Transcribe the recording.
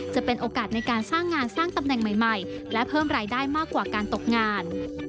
จะเป็นโอกาสในการสร้างงานสร้างตำแหน่งใหม่และเพิ่มรายได้มากกว่าการตกงาน